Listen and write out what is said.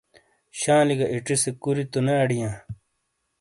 شالِیں گہ اِیڇی سے کُوری تو نے اڈیاں ؟